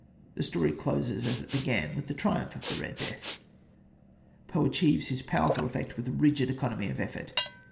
The story closes as it began with the triumph of the Red Death. Poe achieves his powerful effect with rigid economy of effort.